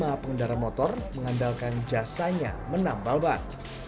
lima pengendara motor mengandalkan jasanya menambal ban